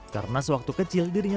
karena sewaktu kecil dirinya